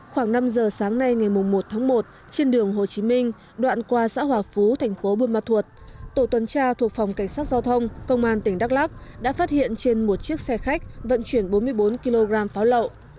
khoảng năm giờ sáng nay ngày một tháng một trên đường hồ chí minh đoạn qua xã hòa phú thành phố buôn ma thuột tổ tuần tra thuộc phòng cảnh sát giao thông công an tỉnh đắk lắc đã phát hiện trên một chiếc xe khách vận chuyển bốn mươi bốn kg pháo lậu